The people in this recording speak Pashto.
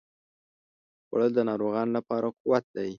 خوړل د ناروغانو لپاره قوت دی